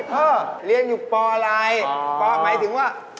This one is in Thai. พ่อเรียนอยู่ปอะไรปหมายถึงว่า